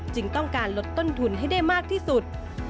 ต้องการลดต้นทุนให้ได้มากที่สุด